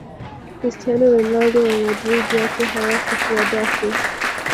cristiano ronaldo wa madrid yake hawakufua dafu